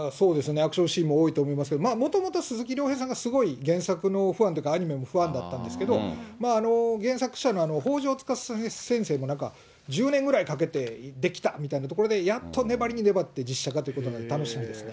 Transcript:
アクションシーンも多いと思いますけど、もともと鈴木亮平さんがすごい、原作のファンというか、アニメのファンだったんですけど、原作者の北条司先生も、１０年ぐらいかけて出来たみたいなところで、やっと粘りに粘って実写化というふうなことで楽しみですよね。